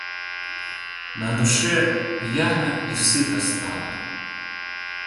На душе пьяно и сыто стало.